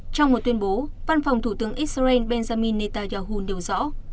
trong một tuyên bố văn phòng thủ tướng israel benjamin netanyahu điều rõ